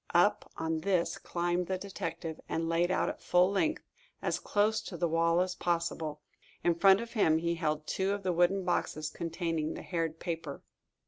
Up on this climbed the detective, and laid out at full length, as close to the wall as possible. In front of him he held two of the wooden boxes containing the haired paper.